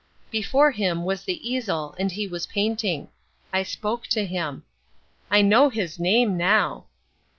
Before him was the easel and he was painting. I spoke to him. I know his name now.